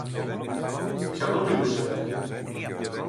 Ποιανού μιλούσε άραγε;